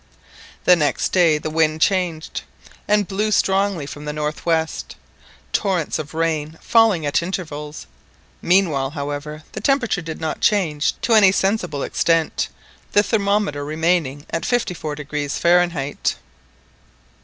The next day the wind changed and blew strongly from the north west, torrents of rain falling at intervals. Meanwhile, however, the temperature did not change to any sensible extent, the thermometer remaining at 54° Fahrenheit.